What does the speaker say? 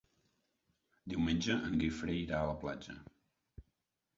Diumenge en Guifré irà a la platja.